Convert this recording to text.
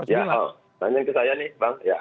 ya pertanyaan ke saya nih bang